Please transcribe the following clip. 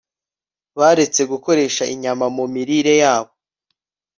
baretse gukoresha inyama mu mirire yabo